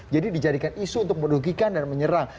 jadi dijadikan isu untuk merugikan dan menyerang